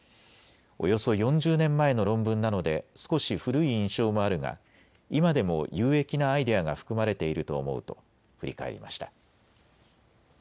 およそ４０年前の論文なので少し古い印象もあるが今でも有益なアイデアが含まれていると思うと振り返りました。